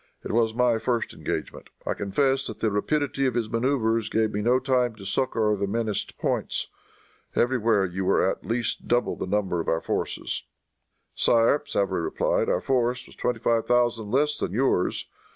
It was my first engagement. I confess that the rapidity of his maneuvers gave me no time to succor the menaced points. Everywhere you were at least double the number of our forces." "Sire," Savary replied, "our force was twenty five thousand less than yours.